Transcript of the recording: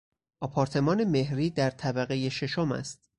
آپارتمان مهری در طبقهی ششم است.